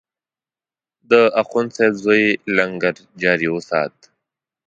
د اخندصاحب زوی لنګر جاري وسات.